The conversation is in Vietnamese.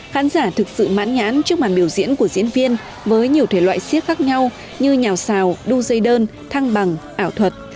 khán giả thực sự mãn nhãn trước màn biểu diễn của diễn viên với nhiều thể loại siếc khác nhau như nhào xào đu dây đơn thăng bằng ảo thuật